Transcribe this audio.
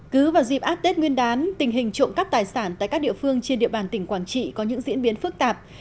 cứ vào dịp at tết nguyên đán tình hình trộm cắp tài sản tại các địa phương trên địa bàn tỉnh quảng trị có những diễn biến phức tạp